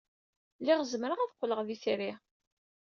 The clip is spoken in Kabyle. Lliɣ zemreɣ ad qqleɣ d itri.